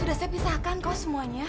sudah saya pisahkan kau semuanya